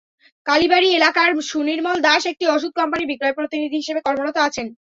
কালীবাড়ি এলাকার সুনির্মল দাশ একটি ওষুধ কোম্পানির বিক্রয় প্রতিনিধি হিসেবে কর্মরত আছেন।